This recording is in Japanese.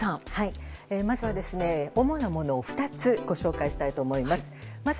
まずは主なものを２つご紹介したいと思います。